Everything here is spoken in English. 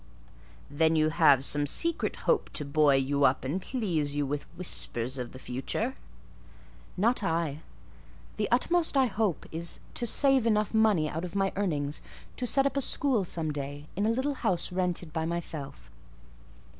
"Then you have some secret hope to buoy you up and please you with whispers of the future?" "Not I. The utmost I hope is, to save money enough out of my earnings to set up a school some day in a little house rented by myself."